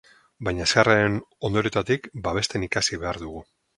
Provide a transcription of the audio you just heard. Baina haserrearen ondoriotatik babesten ikasi behar dugu.